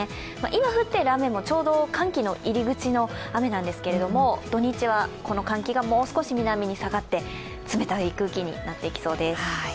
今降っている雨も、ちょうど寒気の入り口の雨なんですけど、土日はこの寒気がもう少し南に下がって冷たい空気になっていきそうです。